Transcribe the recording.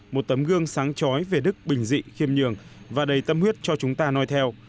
một tấm gương sáng trói về đức bình dị khiêm nhường và đầy tâm huyết cho chúng ta nói theo